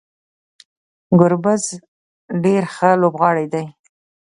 ګربز ډیر ښه لوبغاړی دی